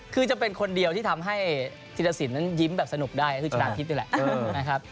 คือจะเป็นคนเดียวที่ทำให้ชิตสินได้ยิ้มแบบสนุกได้คือฉลากฮิตดิแหละ